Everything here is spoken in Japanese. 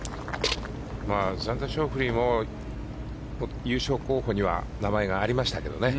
ザンダー・ショーフリーも優勝候補には名前がありましたけどね。